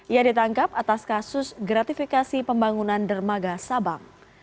ia ditangkap atas kasus gratifikasi pembangunan dermaga sabang